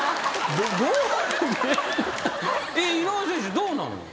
井上選手どうなのよ。